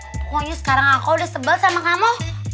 pokoknya sekarang aku udah sebel sama kamu